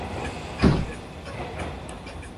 Fue diseñado por el arquitecto peruano Bernardo Fort.